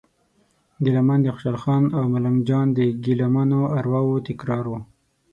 ګیله من د خوشال خان او ملنګ جان د ګیله منو ارواوو تکرار و.